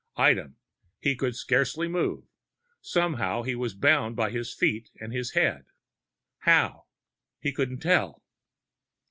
Item: he could scarcely move. Somehow he was bound by his feet and his head. How? He couldn't tell.